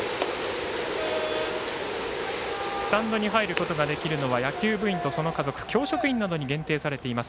スタンドに入ることができるのは野球部員とその家族教職員などに限定されています